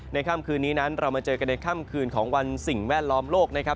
ค่ำคืนนี้นั้นเรามาเจอกันในค่ำคืนของวันสิ่งแวดล้อมโลกนะครับ